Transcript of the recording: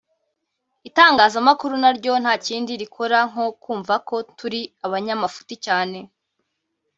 Itangazamakuru naryo ntakindi rikora nko kumva ko turi abanyamafuti cyane